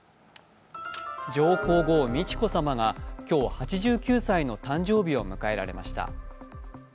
上皇后美智子さまが今日８９歳の誕生日を迎えられました。